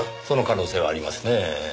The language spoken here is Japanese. その可能性はありますねぇ。